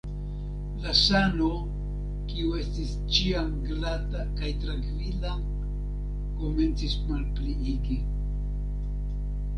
La sano, kiu estis ĉiam glata kaj trankvila, komencis malpliigi.